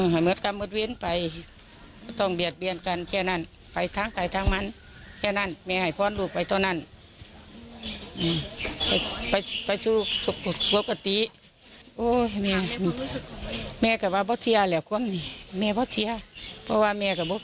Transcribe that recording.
หลังผลชนสูตรประกอบ